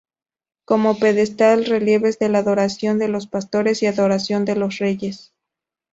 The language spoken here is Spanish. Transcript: Como pedestal relieves de la Adoración de los Pastores y Adoración de los Reyes.